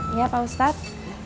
iya pak ustadz